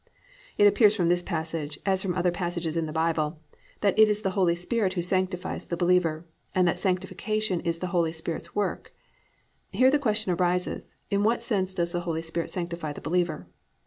"+ It appears from this passage, as from other passages in the Bible, that it is the Holy Spirit who sanctifies the believer, and that Sanctification is the Holy Spirit's work. Here the question arises, In what sense does the Holy Spirit sanctify the believer?